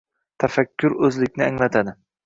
Tafakkur o'zlikni anglatadi.